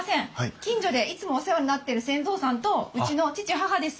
近所でいつもお世話になってる泉藏さんとうちの父母です。